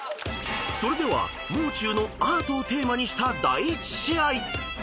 ［それではもう中のアートをテーマにした第１試合］